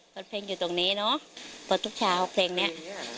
เปิดเพลงอยู่ตรงนี้เนอะเปิดทุกเช้าเพลงนี้